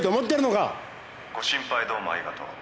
ご心配どうもありがとう。